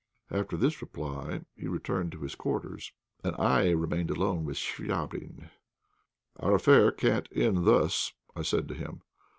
After this reply he returned to his quarters, and I remained alone with Chvabrine. "Our affair can't end thus," I said to him.